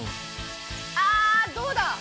あ、どうだ？